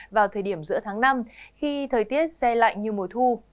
vào thời điểm giữa tháng năm khi thời tiết xe lạnh như mùa thu